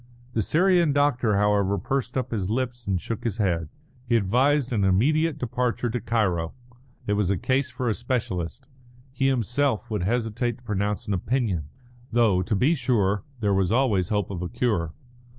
The Syrian doctor, however, pursed up his lips and shook his head. He advised an immediate departure to Cairo. It was a case for a specialist. He himself would hesitate to pronounce an opinion; though, to be sure, there was always hope of a cure.